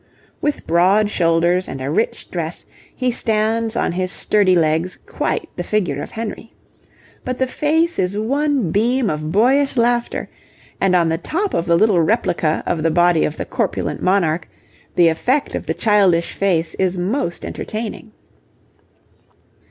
With broad shoulders and a rich dress, he stands on his sturdy legs quite the figure of Henry. But the face is one beam of boyish laughter, and on the top of the little replica of the body of the corpulent monarch the effect of the childish face is most entertaining.